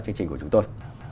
chương trình của chúng tôi